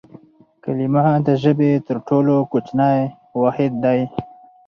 کلیمه د ژبي تر ټولو کوچنی واحد دئ.